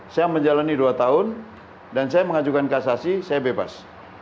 saya menjalani dua tahun dan saya mengajukan kasasi saya bebas